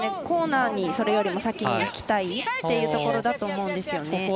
コーナーに、それよりも先にいきたいっていうところだと思うんですよね。